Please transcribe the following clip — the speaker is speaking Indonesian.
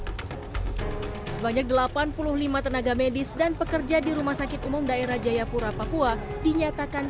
hai sebanyak delapan puluh lima tenaga medis dan pekerja di rumah sakit umum daerah jayapura papua dinyatakan